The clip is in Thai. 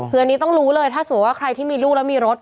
คืออันนี้ต้องรู้เลยถ้าสมมุติว่าใครที่มีลูกแล้วมีรถ